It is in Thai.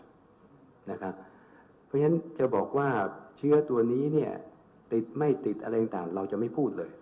เพราะฉะนั้นจะบอกว่าเชื้อตัวนี้ติดไม่ติดอะไรต่างเราจะไม่พูดเลย